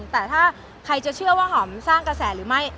แต่ถ้าใครจะเชื่อว่าหอมสร้างกระแสหรือไม่